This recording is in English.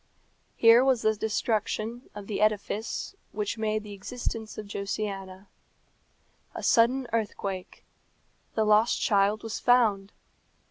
Here was the destruction of the edifice which made the existence of Josiana. A sudden earthquake. The lost child was found.